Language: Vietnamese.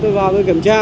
tôi vào tôi kiểm tra